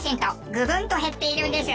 ググンと減っているんです。